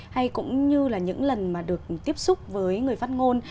hay cũng như là những lần mà được tiếp xúc với người phát ngôn